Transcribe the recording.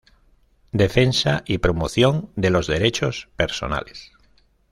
Defensa y promoción de los derechos personales.